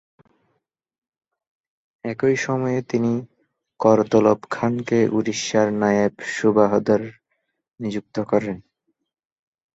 একই সময়ে তিনি করতলব খানকে উড়িষ্যার নায়েব সুবাহদার নিযুক্ত করেন।